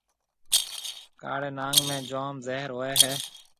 ڪاݪيَ ناگ ۾ جوم زهر هوئي هيَ۔